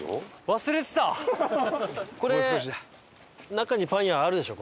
中にパン屋あるでしょ。